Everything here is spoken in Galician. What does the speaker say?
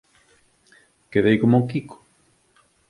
Quedei coma o quico!